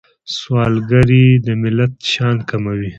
سوالګري د ملت شان کموي